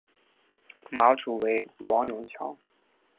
马主为王永强。